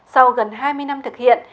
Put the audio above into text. sau gần hai mươi năm thực hiện